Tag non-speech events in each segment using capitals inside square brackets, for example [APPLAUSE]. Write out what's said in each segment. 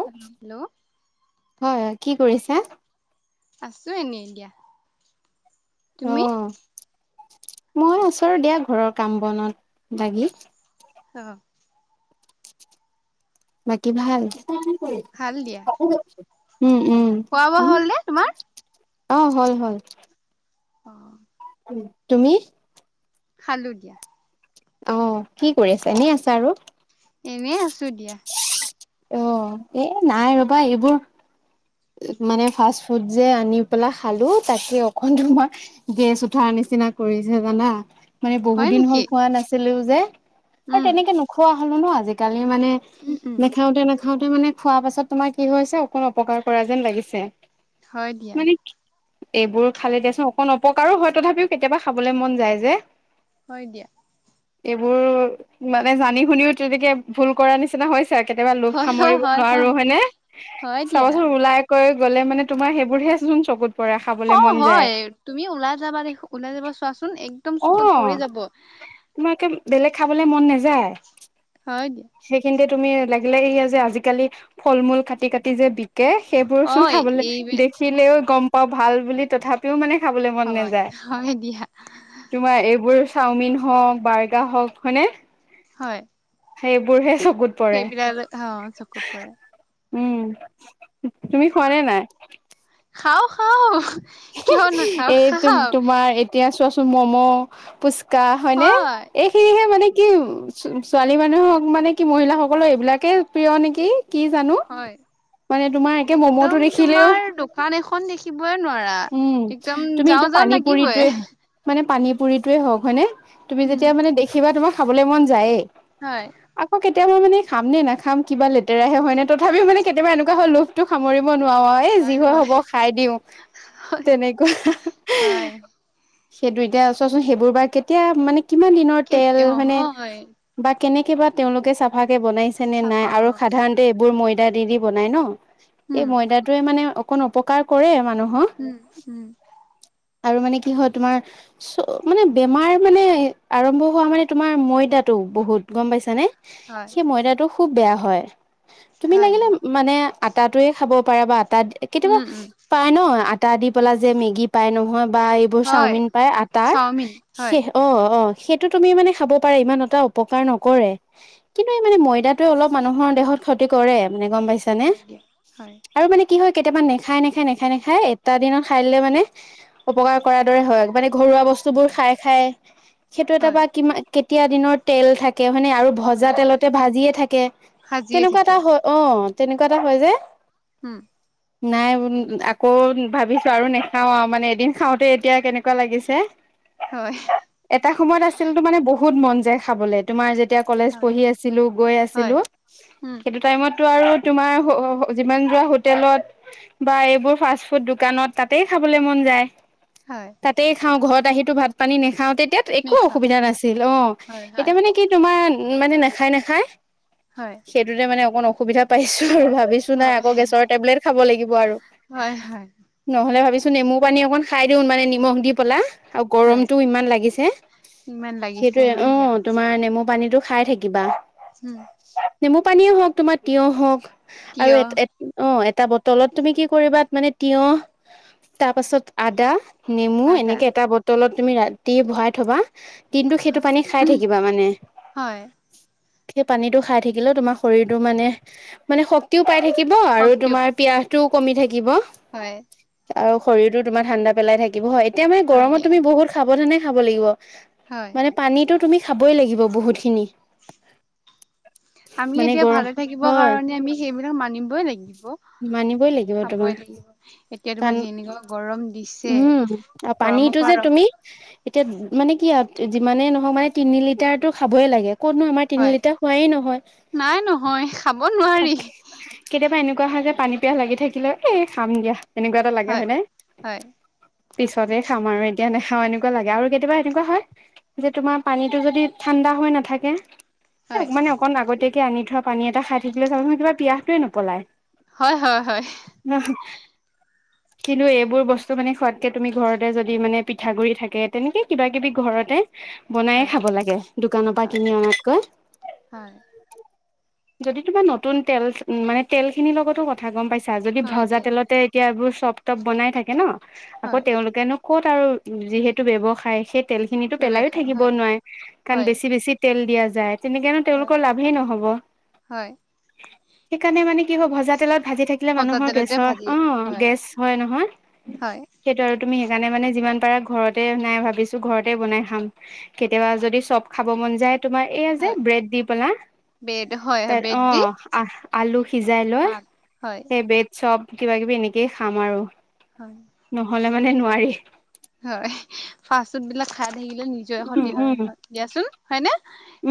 েল hello hello হয় কি কৰিছো আছো এনেই এতিিয়া অ তুমি মই ওচৰ দিয়া ঘৰৰ কাম বনত লাগি অ বাকী ভাল ভাল দিয়া উম উম খোৱা বোৱা উম হ'ল নে তোমাৰ আহ হল হল অ তুমি খালো দিয়া অ কি কৰি আছো এনেই আছা আৰু এনে আছো দিয়া অ এ নাই ৰবা এইবোৰ মানে ফাষ্ট ফুড যে আনি পেলাই খালো তাকে অকণ তোমাৰ গেছ উঠাৰ নিচিনা কৰিছে জানা মানে বহুত হয় দিন হ'ল নেকি খোৱা নাছিলোও যে আৰু উম তেনেকে নোখোৱা হলো ন আজিকালি ম মানে উম উম তেনেখাওতে মানে খোৱা পাছত তোমাৰ কি হৈছে অকণ অপকাৰ কৰা যেন লাগিছে হয় দিয়া মানে এইবোৰ খালে দিয়াচোন অকন অপকাৰো হয় তথাপিও কেতিয়াবা খাবলৈ মন যায় যে হয় দিয়া এইবোৰ মানে জানি শুনিও তেনেকে ভুল কৰা নিচিনা হৈছে কেতিয়াবা লোভ হয় হয় সামৰিব হয় নোৱাৰো হয় হয়নে, হয় দিয়া চাবাচোন ওলাই কৈ গ'লে মানে তোমাৰ সেইবোৰহে চোন চকুত পৰে অ খাবলে মন যায় হয় তুমি ওলাই যাবা দেখ ওলাই যাব চোৱাচোন একদম অ চকুত পৰি যাব। তোমাৰ কে বেলেগ খাবলে মন নাযায়। হয় দিয়া। সেইখিনিতে তুমি লাগিলে এইয়া যে আজিকালি ফল মূল কাটি- কাটি যে বি কে সেইবোৰ অ চোন খাবলে এই দেখিলেও গম পাও ভাল বুলি তথাপিও মানে খাবলৈ মন হয় নাযায়, হয় দিয়া তোমাৰ এইবোৰ চাওমিন হওক বাৰ্গাৰ হওক হয়নে। হয়। সেইবোৰ হে চ সেইবিলাক অ' চকুত পৰে। উম, তুমি খোৱা নে নাই। খাওঁ- খাওঁ। এই তম তোমাৰ এতিয়া চোৱা মম' পুচকা হয় নে এইখিনিহে মানে কি ছোৱালী মানুহক মানে কি মহিলাসকলৰ এইবিলাকে প্ৰিয় নেকি। কি জানো, হয় মানে তোমাৰ একে একদম মম'টো দেখিলেও তোমাৰ দোকান এখন দেখিবই নোৱাৰা। উম, একদম তুমি যাওঁ এইটো যাওঁ পানী লাগিবই পুৰিটোৱে মানে পানী পুৰিটোৱে হওক হয় নে তুমি উম যেতিয়া মানে দেখিবা তোমাৰ খাবলৈ মন যায়েই। হয়। কেতিয়া মই মানে খাম নে নাখাম কিবা লেতেৰাহে হয় ন তথাপিও মানে কেতিয়াবা এনেকুৱা হয় লোভটো সামৰি ব নোৱাৰো এ যি হয় হ'ব খাই দিওঁ। তেনেকুৱা, হয় সেইটো এতিয়া চোৱাচোন সেইবোৰ বা কেতিয়া মানে কিমান দিনৰ তেল কেতিয়া হয়নে হয় বা কেনেকে বা তেওঁলোকে চাফা বনাইছে নে নাই চাপা আৰু অ', সাধাৰণতে এইবোৰ ময়দা দি- দি বনাই ন, এই উম ময়দাটোৱে মানে অকণ অপকাৰ কৰে মানুহক। উম- উম। আৰু মানে কি হয়, তোমাৰ চ মানে বেমাৰ মানে আৰম্ভ হোৱা মানে তোমাৰ ময়দাটো বহুত গম পাইছানে হয় সেই ময়দাটো খুব বেয়া হয়, তুমি হয় লাগিলে দিয়া মানে আটাটোয়ে খাব পাৰে বা আটা কেতিয়াবা উম উম পাই ন আটা দি পেলা যে মেগী পাই নহয় বা এইবোৰ হয় চাওমিন পাই আটাৰ চাওমিন হয় সেই, অ'- অ'। সেইটো তুমি মানে খাব পাৰা ইমান এটা অপকাৰ নকৰে, কিন্তু এই মানে ময়দাটোৱে অলপ মানুহৰ দেহত ক্ষতি কৰে মানে গম পাইছা নে হয় দিয়া হয় আৰু মানে কি হয় কেতিয়াবা নেখাই নেখায় -নেখাই- নেখায় এটা দিনত খাই দিলে মানে উপকাৰ কৰাৰ দৰে হয় মানে ঘৰুৱা বস্তুবোৰ খাই- খাই সেইটো এটা হয় বা কিমা কেতিয়া দিনৰ তেল থাকে হয়নে আৰু ভজা হয় হয় তেলতে ভাজিয়ে থাকে সাজিয়ে তেনেকুৱা থাকে এটা হয় অ'। তেনেকুৱা এটা হয় যে। হম। নাই আকৌ ভাবিছো আৰু নাখাও আৰু মানে এদিন খাওঁতে এতিয়া কেনেকুৱা লাগিছে। হয় এটা সময়ত আছিল তো মানে বহুত মন যায় খাবলে তোমাৰ যে তিয়া কলেজ হয় পঢ়ি আছিলো গৈ হয় আছিলো উম সেইটো টাইমত আৰু তোমাৰ যিমান যোৱা হোটেলত বা এইবোৰ ফাচ ফুড দোকানত তাতেই খাবলৈ মন যায় হয় তাতেই খাওঁ ঘৰত আহিটো ভাত পানী নেখাওঁ তে তেতিয়া একো মেখা অসুবিধা নাছিল অ' হয় হয় এতিয়া মানে কি তোমাৰ মানে নাখায়-নাখায় হয় সেইটোতে মানে অকণ অসুবিধা পাইছো। ভাবিছো নাই হয় আকৌ গেছৰ টেবলেট খাব লাগিব আৰু। হয় হয় নহ'লে ভাবিছো নেমু পানী অকণ খাই দিওঁ মানে নিমখ দি পেলা। আৰু হয় গৰমতটো ইমান লাগিছে ইমান লাগিছে সেইটোে হয় অ দিয়া তোমাৰ নেমু পানীটোো খাই থাকিবা হম নেমু পানী হওক তোমাৰ তিয় হওক আৰু তিয়হ, অ এটা বটলত তুমি কি কৰিবা মানে তিয়হ তাৰপাছত আদা নেমু আদা এনেকে এটা বটলত তুমি ৰাতি বহাই থবা দিনতটো সেইটো পানী খাই থাকিবা মানে হয়, সেই পানীটো খাই থাকিলেও তোমাৰ শৰীৰটো মানে মানে শক্তিও পাই থাকিব আৰু শক্তিক তোমাৰ পিয়াজ টো কমি থাকিব হয় আৰু শৰীৰতো তোমাৰ ঠাণ্ডা পেলাই থাকিব হয় এতিয়া মানে হয় গৰমত দিয়া তুমি বহুত সাৱধানে খাব লাগিব হয়। মানে পানীতটো তুমি খাবই লাগিব বহুতখিনি আমি এতিয়া ভালে থাকিব কাৰণে আমি সেইবিলাক মানিবই লাগিব ই লাগিব খাবই তোমাৰ লাগিব। এতিয়া কাৰণ তোমাৰ যেনেকুৱা গৰম দিছে, উম আৰু গৰমৰ পানীটো যে পৰা ৰ তুমি এতিয়া মানে কি আৰু যিমানে নহওক মানে তিনি লিটাৰতো খাবই লাগে কোনো আমাৰ তিনি হয়, লিটাৰ হোৱাই নহয় নাই নহয় খাব নোৱাৰি কেতিয়াবা এনেকুৱা হয় যে পানী পিয়াহ লাগি থাকিলেও এ খাম দিয়া এনেকুৱা এটা লাগে হয় নাই হয়, পিছতে খাম আৰু এতিয়া নাখাওঁ এনেকুৱা লাগে আৰু কেতিয়াবা এনেকুৱা হয় যে তোমাৰ পানীতটো যদি ঠাণ্ডা া হৈ নাথাকে হয়, মানে অকণ আগতীয়াকে আনি থোৱা পানী এটা খাই থাকিলে চাবচোন কিবা পিয়াহটোৱে নপলায় হয় হয় হয় কিন্তু এইবোৰ বস্তু মানে খোৱাতকে তুমি ঘৰতে যদি মানে পিঠাগ গুৰি থাকে তেনেকে কিবা কিবি ঘৰতে বনায়ে হয়, হয়, খাব লাগে দোকানৰ পৰা হয়, কিনি অনাতকৈ হয়। যদি তোমা নতুন তেল মানে তেল খিনিৰ লগতো কথা গম পাইছা যদি হয় ভ্ৰজা দিয়া, তেলতে োৰ চব প বনাই থাকে ন আকৌ হয়, তেওঁলোকেনো ক'ত আৰু যিহেতু ব্য্য়ৱসায় সেই তেল খিনিো পেলাইো ব্যৱসায় থাকিব হয়, নোৱাৰে কাৰণ হয়, বেছি বেছি তেল দিয়া যায় তেনেকনো হয়। তেওঁলোকৰ লাভেই নহব হয়, সেইকাৰণে মানে কি হ'ব ভজা তেলত ভাজি থাকিলে ভজা মানুহৰ তেলতে গেছৰ ভাজি অ হয়, গেছ হয় নহয় হয়, সেইটো আৰু তুমি সেইকাৰণে মানে যিমান পাৰা ঘৰতে নাই ভাবিছো ঘৰতে বনাই খাম কেতিয়াবা যদি চব খাব মন যায় তোমাৰ এইয়া হয়। যে ব্ৰেড দি পেলা ব্ৰেড হয় হয় তাত ব্ৰেড অ দি আহ আলু সিজাই লৈ শাক হয় সেই বেত চব কিবা কিবি এনেকেই খাম আৰু হয় নহলে মানে নোৱাৰি হয় ফা ফুড বিলাক খাই থাকিলে নিজয় উম ক্ষতি উম হয় হয়িয়াোন হয় ন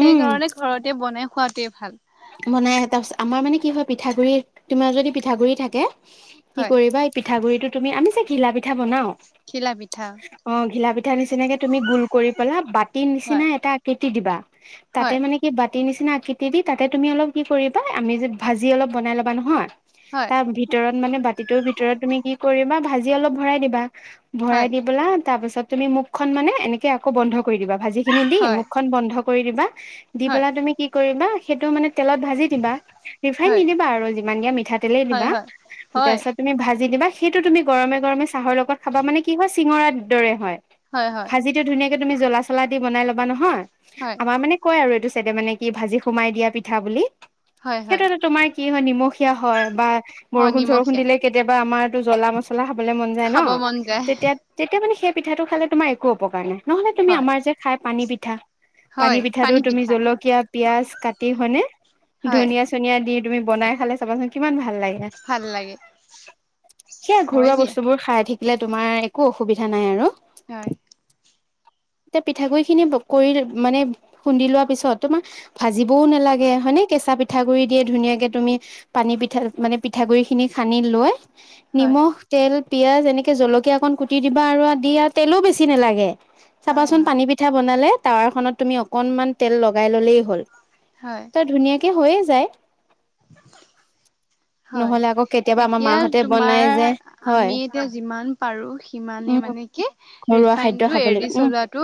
উম ঘৰতে বনাই খোৱাাতোৱে ভাল বনাই আহ তাৰ পিছত আমাৰ মানে কি হয় পিঠাগুৰি তোমাৰ যদি পিঠাগুৰি থাকে কি হয় কৰিবা এই পিঠাগুৰিটোো তুমি আমি যে ঘিলা পিঠা বনাও খেলা পিঠা অ ঘিলা পিঠা নিচিনাকে তুমি গোল কৰি পেলা বাতি নিচিনা হয় এটা কেতি দিবা তাতে হয় মানে কি কাটতি নিচিনা আকৃতি দি তাতে তুমি অলপ কি কৰিবা আমি যে ভাজি অলপ বনাই ল'া নহয় হয় তাৰ ভিতৰত মানে বাতিটোৰ ভিতৰত তুমি কি কৰিবা ভাজি অলপ ভৰাই দিবা ভৰাই হয় দি বলা তাৰ পিছত তুমি মুখখনন মানে এনেকে আকৌ বন্ধ া ভ হয় খ বন্ দিবা হয় তুা তেলত ভাজি দিবা ৰিফাইন হয় নিদিবা আৰু যিমান দিয়া মিঠাতেলেই হয় দিবা হয় হয় তাৰপিছত তুমি ভাজি দিবা সেইটো তুমি গৰমে গৰমে চাহৰ লগত খাবা মানে কি হয় চিঙৰাৰ দৰে হয় হয় হয় ভাজিিতটো ধুনীয়াাক তুমি জ্বলা চলা দি বনাই ল'বা নহয় হয় আমাৰ মানে কয় আৰু এইটো চাইডে মানে কি ভাজি সোমাই দিয়া পিঠা বুলি হয় হয় সেইটো তোমাৰ কি হয় নিমখীয়া হয় বা অ বৰষুণ চৰষুণ নিমখীয়া দিলে কেতিয়াবা আমাৰ তো জ্বলা মছলা খাব লে মন যায় ন খাব মন যায় তেতিয়া তেতিয়া মানে সেই পিঠাটো খালে তোমাৰ একো অপকাৰ নাই। নহ'লে তুমি হয় আমাৰ যে খাই পানী পিঠা পানী হয় পিঠাটো তুমি পিঠা জলকীয়া পিয়া‌‌‍জ কাটি হনে হয় ধনিয়া চনিয়া দি তুমি বনাই খালে চাবাচোন কিমান ভাল ভল লগে। ভাল লাগে সেয়া হয় ঘৰুৱা দিয়া বস্তুবোৰ খাই থ পলে তোমাৰ একো অসুবিধা নাই আৰু। হয় এয়া পিঠাগুৰিখিনি কৰি মানে খুন্দি লোৱা পিছত তোমাৰ ভাজিবও নালাগে হয়নে কেঁচা পিঠাগুৰি দিয়ে ধুনীয়াকে তুমি পানী পিঠা মানে পিঠাগুৰিখিনি সানি লৈ হয় নিমখ তেল পিয়াজ এনেকে জলকীয়া অকন কুটি দিবা আৰু দি আৰু তেলো বেছি নালাগে। হয় চাবাচোন হয় পানী পিঠা বনালে টাৱাৰখনত তুমি অকনমান তেল লগাই ললেই হ'ল। হয়। ত ধুনীয়াকে হৈয়ে যায়। হয়, নহলে আকৌ কেতিয়াবা আমাৰ এতিয়া মাহঁতে তোমাৰ বনাই যে হয় আমি এতিয়া যিমান পাৰো সিমানে উম মানে কি ঘৰুৱা খাদ্য ৰিফাইনটো খাব লাগিব এৰি উম চলাটো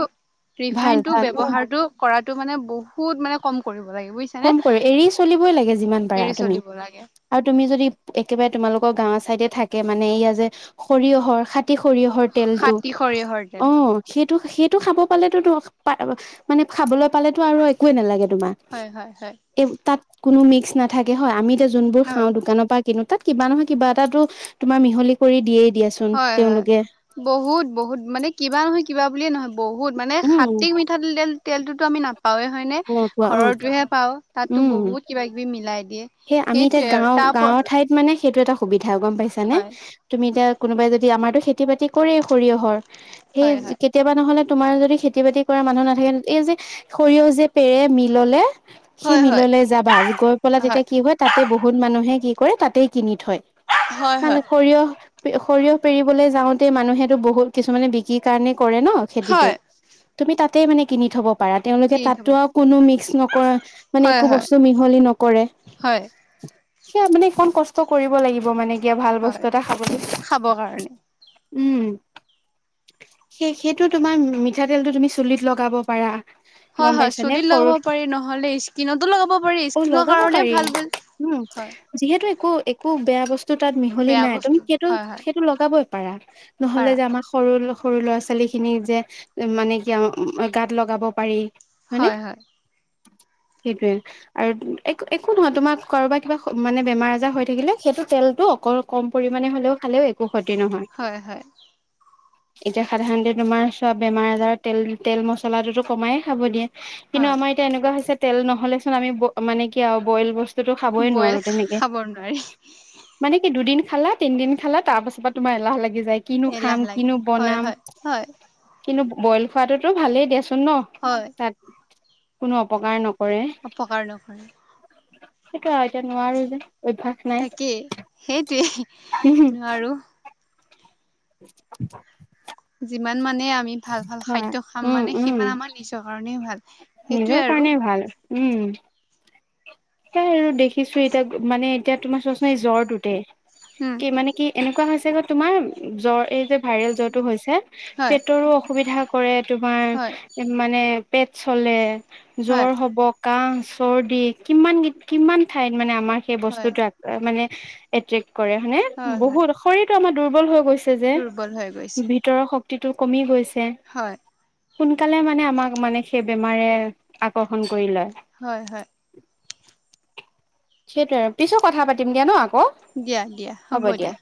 ভাল ৰিফাইনটো ভাল উম ব্যৱহাৰটো কৰাটো মানে বহুত মানে কম কৰিব লাগে বুজিছানে কম কৰি এৰি চলিবই লাগে যিমান পাৰা এৰি তুমি চলিব লাগে আৰু তুমি যদি একেবাৰে তোমালোকৰ গাঁৱৰ চাইডে থাকে মানে এইয়া যে সৰিয়হৰ সাতি সৰিয়হৰ তেলটো খাটি সৰিয়হৰ তেল অ' সেই টো সেইটো খাব পালো মানে খাবলৈ পালেতো আৰু একোৱেই নালাগে তোমাৰ। হয়, হয়। এই তাত কোনো মিক্স নাথাকে হয় আমি এতিয়া যোনবোৰ হয় খাওঁ দোকানৰ পৰা কিনো তাত কিবা নহয় কিবা এটা তোমাৰ মিহলি কৰি দিয়েই। দিয়াচোন হয়, হয় তেওঁলোকে বহুত বহুত মানে কিবা নহয় কিবা বুলিয়ে নহয় বহুত মানে উম খাতিক মিঠা তেল তেলটোতো আমি নাপা পাঁওে হয় নে এনেকুৱা অ ঘৰৰতো হে পাওঁ তাতো উম বহুত কিবা কিবি মিলাই দি সেই আমি এতিয়া গাঁও গাঁৱৰ ঠাইত মানে সেইটো এটা সুবিধা গম পাইছা নে হয় তুমি এতিয়া কোনোবাই যদি আমাৰতো খেতি বাতি কৰে সৰিয়হৰ! সেই হয় হয় কেতিয়াবা নহ'লে তোমাৰ যদি খেতি বাতি কৰা মানুহ নাথাকে এই যে সৰিয়হ যে পেৰে মিললে সেই হয় হয় মিললৈ যাবা গৈ পেলাই হয় তেতিয়া কি হয় তাতে বহুত মানুহে কি কৰে তাতেই কিনি থয়। হয় হয় [UNINTELLIGIBLE] সৰিয়হ সৰিয়হ পেৰিবলৈ যাওঁতে মানুহেটো বহুত কিছুমানে বিক্ৰী কাৰণে কৰে ন খেতিটো হয় তুমি তাতেই মানে কিনি থ'ব পাৰা তেওঁলোকে কিনি তাতো থব আৰু কোনো মিক্স নকৰে মানে হয় একো হয় বস্তু মিহলি নকৰে। হয়। সেয়া মানে অকমান কষ্ট কৰিব লাগিব মানে কিয়া ভাল বস্তু হয় এটা খাবলৈ। খাব কাৰণে উম, সেই সেইটো তোমাৰ মিঠাতেলটো তুমি চুলিত লগাব পাৰা। হয়, গম হয় পাইছানে চুলিত সৰু লগাব পাৰি নহ'লে স্কিনতো লগাব পাৰি অ স্কিনৰ লগাব কাৰণে পাৰি ভাল বুলি উম, হয় যিহেতু একো একো বেয়া বস্তু টো তাত মিহলি বেয়া নাই তুমি বস্তু সেইটো হয় হয় সেইটো লগাবই পাৰা নহ'লে পাৰা যে আমাৰ সৰু সৰু ল'ৰা ছোৱালীখিনি যে মানে কি গাত লগাব পাৰি। হয়, হয়। সেইটোৱে। আৰু একো নহয় তোমাৰ কাৰোবাৰ কিবা মানে বেমাৰ আজাৰ হৈ থাকিলেও সেইটো তেলটো অকল কম পৰিমাণে হ'লেও খালেও একো ক্ষতি নহয় হয়, হয়। এতিয়া সাধাৰণতে তোমাৰ চব বেমাৰ আজাৰত তেল তেল মচলাটোতো কমাইে খাব দিয়ে। কিন্তু হয় আমাৰ এতিয়া এনেকুৱা হৈছে তেল নহ'লে চোন আমি মানে কি আৰু বইল বস্তু টো খাবই বইল নোৱাৰো তেনেকে খাব নোৱাৰি মানে কি দুদিন খালা তিনদিন খালা তাৰ পাছৰ পৰা তোমাৰ এলাহ লাগি যায় কিনো খাম এলাহ লাগে কিনো হয় বনাম হয় হয় কিন্তু বইল খোৱাটোতো ভালেই দিয়াচোন ন হয় তাত কোনো অপকাৰ নক অপকাৰ কৰে। সেইটো এতিয়া নোৱাৰো যে অভ্যাস নাই তাকেই সেইটোৱে নোৱাৰো [UNINTELLIGIBLE] যিমান মানে আমি ভাল ভাল হয় খাদ্য খাম উম মানে উম সিমান আমাৰ নিজৰ কাৰণে ভাল সেইটোৱে নিজৰ আৰু কাৰণে ভাল উম [INAUDIBLE] সেই আৰু দেখিছো এতিয়া মানে এতিয়া তোমাৰ চোৱাচ ন এই জ্বৰটোতে উম, কি মানে কি এনেকুৱা হৈছে গ তোমাৰ জ্বৰ এই যে ভাইৰেল জ্বৰটো হৈছে হয়, পেটৰো অসুবিধা কৰে [INAUDIBLE] তোমাৰ হয়, মানে পেট চলে জ্বৰ হয়, হ'ব কাহ চৰ দি কিমান কিমান ঠাইত মানে আমাৰ সেই হয়, বস্তুত মানে এট্ৰেক্ কৰে মানে হয়, হয়, বহুত শৰীৰটো আমাৰ দুৰ্বল হৈ গৈছে যে দুৰ্বল হৈ গৈছে। ভিতৰৰ শক্তি টো কমি গৈছে হয় সোনকালে মানে আমাক মানে সেই বেমাৰে আকৰ্ষণ হয় হয় সেইটো আৰু পিছো কথা পাতিম দিয়া ন আকৌ দিয়া দিয়া হ'ব দিয়া